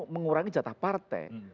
mengurangi jatah partai